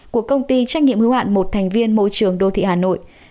của công ty trách nhiệm hưu hạn một thành viên môi trường đô thị hà nội